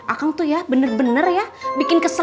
akang tuh ya bener bener ya bikin kesel